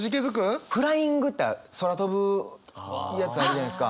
フライングって空飛ぶやつあるじゃないですか。